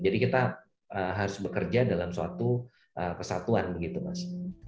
jadi kita harus bekerja dalam suatu kesatuan begitu mas